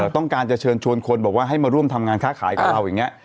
ต้องการจะเชิญชวนคนบอกว่าให้มาร่วมทำงานค้าขายกับเราอย่างนี้